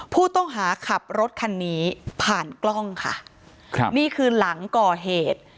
ผู้ต้องหาขับรถคันนี้ผ่านกล้องค่ะครับนี่คือหลังก่อเหตุ